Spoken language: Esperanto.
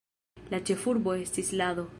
La ĉefurbo estis Lado.